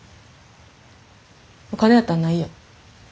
お金やったらないよ。